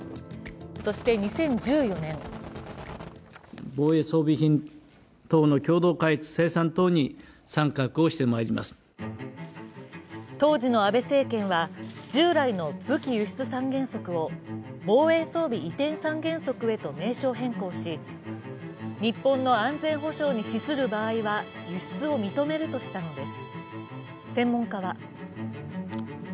そして２０１４年当時の安倍政権は、従来の武器輸出三原則を防衛装備移転三原則へと名称変更し日本の安全保障に資する場合は輸出を認めるとしたのです。